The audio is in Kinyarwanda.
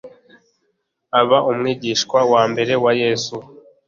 aba umwigishwa wa mbere wa yesu